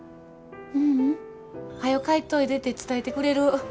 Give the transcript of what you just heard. はよ帰っといでて伝えてくれる？